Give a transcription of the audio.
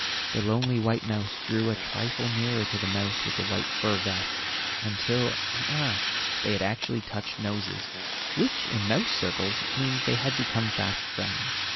The lonely white mouse drew a trifle nearer to the mouse with the white fur vest, until at last they had actually touched noses, which, in mouse circles, means they had become fast friends.